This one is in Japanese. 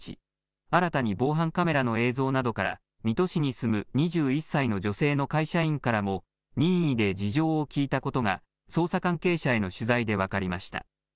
新たに防犯カメラの映像などから水戸市に住む２１歳の女性の会社員からも任意で事情を聴いたことが捜査関係者への取材で分かりました。